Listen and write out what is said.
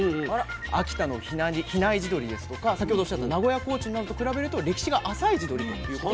秋田の比内地鶏ですとか先ほどおっしゃった名古屋コーチンなどと比べると歴史が浅い地鶏ということが。